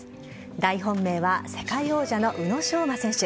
大本命は世界王者の宇野昌磨選手。